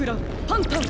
パンタン！